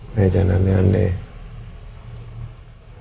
ya jangan aneh aneh